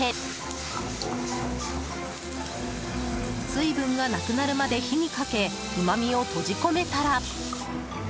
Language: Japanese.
水分がなくなるまで火にかけうまみを閉じ込めたら。